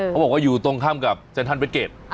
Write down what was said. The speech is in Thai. เขาบอกว่าอยู่ตรงข้ามกับเซ็นทรัลเบเกจ